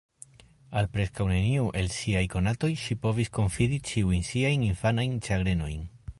Al preskaŭ neniu el siaj konatoj ŝi povis konfidi ĉiujn siajn infanajn ĉagrenojn.